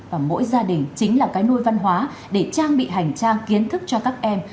và mỗi gia đình chính là cái nôi văn hóa để trang bị hành trang kiến thức cho các em